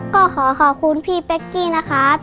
ก็ขอขอบคุณพี่เป๊กกี้นะครับ